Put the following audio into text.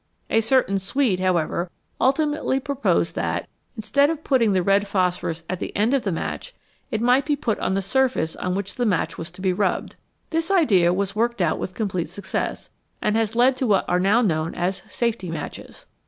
A certain Swede, however, ultimately proposed that, instead of putting the red phosphorus at the end of the match, it might be put on the surface on which the match was to be rubbed. This idea was worked out with complete success, and has led to what are now known as " safety matches."